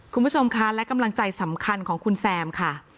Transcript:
คุณผู้ชมคะและกำลังใจสำคัญของคุณแซมค่ะ